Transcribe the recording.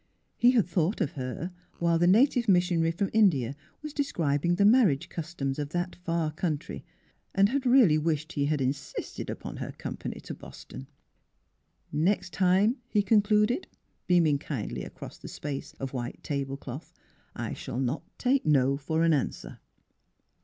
He had thought of her, while the native missionary from India was describing the marriage customs of that far country, and had really wished he had insisted upon her company to Boston. '* Next time," he concluded, beaming kindly across the space of white table cloth, " I shall not take * no ' for an answer.